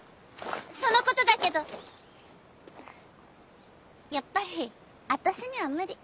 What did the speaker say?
その事だけどやっぱり私には無理。